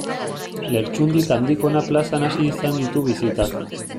Lertxundik Andikona plazan hasi izan ditu bisitak.